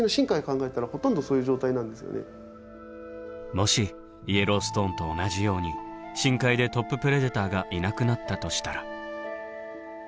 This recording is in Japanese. もしイエローストーンと同じように深海でトッププレデターがいなくなったとしたら。